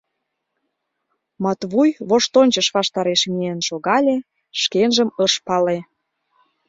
Матвуй воштончыш ваштареш миен шогале — шкенжым ыш пале.